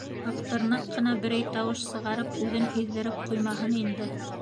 Аҡтырнаҡ ҡына берәй тауыш сығарып, үҙен һиҙҙереп ҡуймаһын инде.